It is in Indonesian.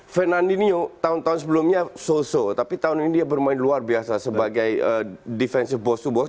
fernandinho tahun tahun sebelumnya so so tapi tahun ini dia bermain luar biasa sebagai defensive box to box